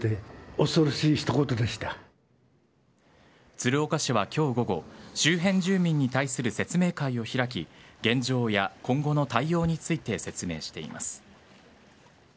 鶴岡市は今日午後周辺住民に対する説明会を開き現状や今後の対応について説明しています。